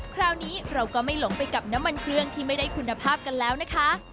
คราวนี้เราก็ไม่หลงไปกับน้ำมันเครื่องที่ไม่ได้คุณภาพกันแล้วนะคะ